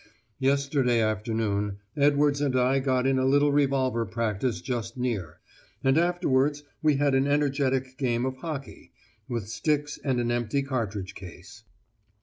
Yesterday afternoon Edwards and I got in a little revolver practice just near; and afterwards we had an energetic game of hockey, with sticks and an empty cartridge case."